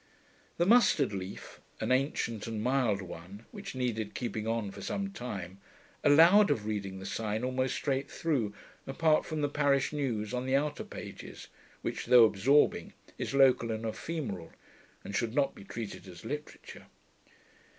The mustard leaf, an ancient and mild one, which needed keeping on for some time, allowed of reading the Sign almost straight through, apart from the parish news on the outer pages, which, though absorbing, is local and ephemeral, and should not be treated as literature.